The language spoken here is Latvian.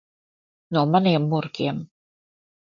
No maniem murgiem.